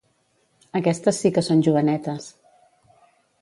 Aquestes sí que són jovenetes.